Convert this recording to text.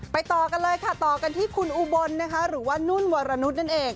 ต่อกันเลยค่ะต่อกันที่คุณอุบลนะคะหรือว่านุ่นวรนุษย์นั่นเอง